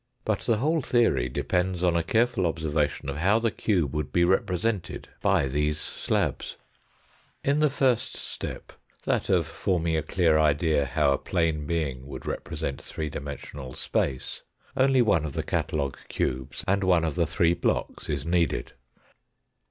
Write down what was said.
But the whole theory depends on a careful observation of how the cube would be represented by these slabs. Jn the first step, that of forming a clear idea how a. 28} 232 THE FOURTH DIMENSION plane being would represent three dimensional space, only one of the catalogue cubes and one of the three blocks is needed.